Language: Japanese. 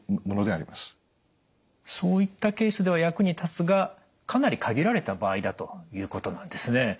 そういったケースでは役に立つがかなり限られた場合だということなんですね。